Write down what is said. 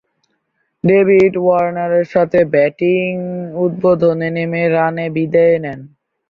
David ওয়ার্নারের সাথে batting উদ্বোধনে নেমে রানে বিদেয় নেন।